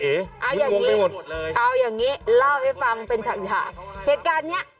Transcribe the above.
เอาอย่างนี้เอาอย่างงี้เล่าให้ฟังเป็นฉากฉากเหตุการณ์เนี้ย